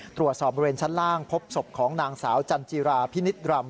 ตรวจสอบบริเวณชั้นล่างพบศพของนางสาวจันจิราพินิษฐรรม